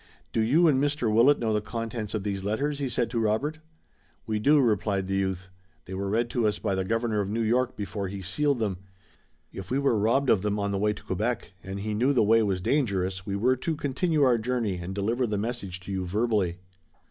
"Do you and Mr. Willet know the contents of these letters?" he said to Robert. "We do," replied the youth. "They were read to us by the Governor of New York before he sealed them. If we were robbed of them on the way to Quebec, and he knew the way was dangerous, we were to continue our journey and deliver the message to you verbally."